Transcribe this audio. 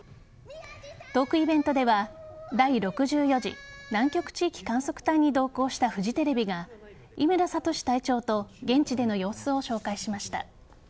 トークイベントでは第６４次南極地域観測隊に同行したフジテレビが伊村智隊長と現地での様子を紹介しました。